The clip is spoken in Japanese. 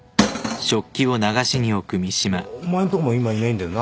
いやお前んとこも今いないんだよな？